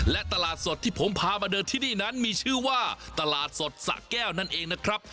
และตลาดสดที่ผมพามาเดินที่นี่นั้นมีชื่อว่าตลาดสดสะแก้วนั่นเองนะครับ